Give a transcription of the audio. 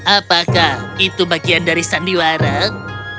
apakah itu bagian dari sandiwarag